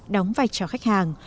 đóng vai trò khách hàng